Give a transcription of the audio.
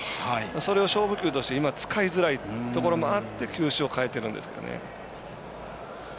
それを勝負球として今、使いづらいところもあって球種を変えてるんですけどね。